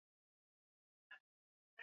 ndio mfupi kuliko mipaka yote ulimwenguni